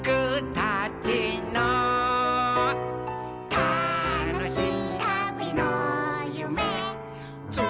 「たのしいたびのゆめつないでる」